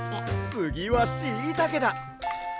つぎはしいたけだ。